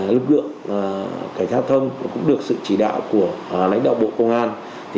lực lượng cảnh sát giao thông cũng được sự chỉ đạo của lãnh đạo bộ công an